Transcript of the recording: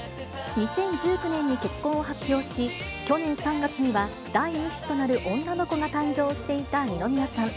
２０１９年に結婚を発表し、去年３月には第１子となる女の子が誕生していた二宮さん。